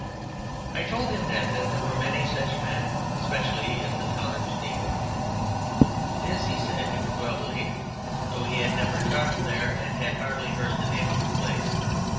I told him then that there were many such men, especially in the town of Geneva. This, he said, he could well believe, though he had never travelled there, and had hardly heard the name of the place.